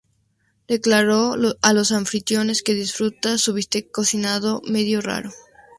Declaró a los anfitriones que disfruta su bistec cocinado "medio raro".